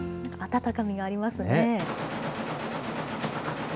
温かみがありますね。